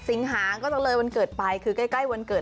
สิงหาก็เลยวันเกิดไปคือใกล้วันเกิด